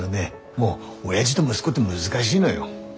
もうおやじど息子って難しいのよ。